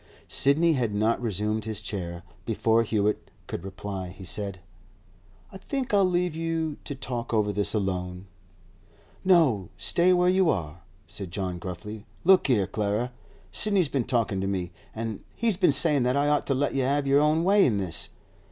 Sidney had not resumed his chair. Before Hewett could reply he said: 'I think I'll leave you to talk over this alone.' 'No; stay where you are,' said John gruffly. 'Look here, Clara. Sidney's been talkin' to me; he's been sayin' that I ought to let you have your own way in this.